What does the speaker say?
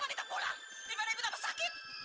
lebih baik ibu tak bersakit